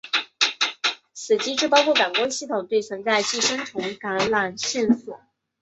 此机制包括感官系统对存在寄生虫感染线索。